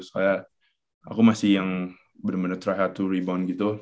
soalnya aku masih yang bener bener try hard to rebound gitu